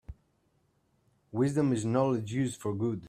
Wisdom is knowledge used for good.